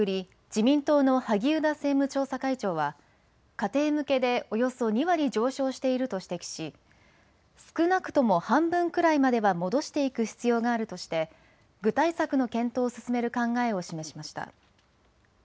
自民党の萩生田政務調査会長は家庭向けでおよそ２割上昇していると指摘し少なくとも半分くらいまでは戻していく必要があるとして具体策の検討を進める考えを示しました。